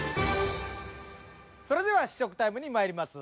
それでは試食タイムにまいります。